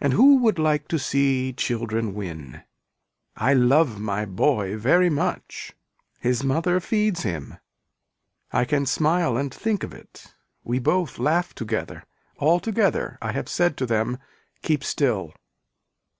And who would like to see children win. I love my boy very much. His mother feeds him. I can smile and think of it. We both laugh together. Altogether I have said to them keep still.